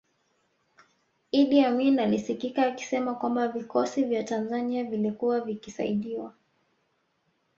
Idi Amin alisikika akisema kwamba vikosi vya Tanzania vilikuwa vikisaidiwa